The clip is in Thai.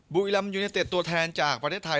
บุรีรัมยูเนเต็ดตัวแทนจากประเทศไทย